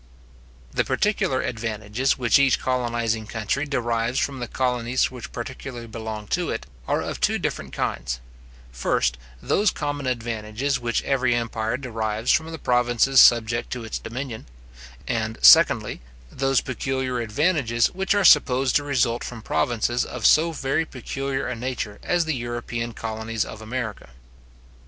The particular advantages which each colonizing country derives from the colonies which particularly belong to it, are of two different kinds; first, those common advantages which every empire derives from the provinces subject to its dominion; and, secondly, those peculiar advantages which are supposed to result from provinces of so very peculiar a nature as the European colonies of America.